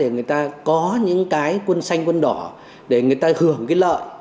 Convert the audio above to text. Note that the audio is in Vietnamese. người ta có những cái quân xanh quân đỏ để người ta hưởng cái lợi